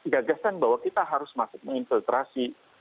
gagasan bahwa kita harus masuk menginfiltrasi